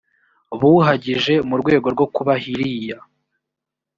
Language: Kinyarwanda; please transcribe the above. buhagije mu rwego rwo kubahiria